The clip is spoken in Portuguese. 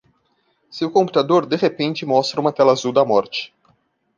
Seu computador de repente mostra uma tela azul da morte.